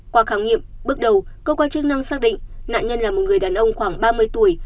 qua khám nghiệm bước đầu cơ quan chức năng xác định nạn nhân là một người đàn ông khoảng ba mươi tuổi